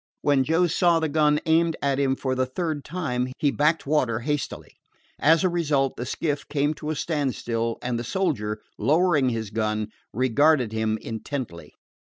When Joe saw the gun aimed at him for the third time, he backed water hastily. As a result, the skiff came to a standstill, and the soldier, lowering his rifle, regarded him intently.